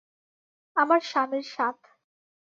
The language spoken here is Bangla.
আমার স্বামীর সাথ।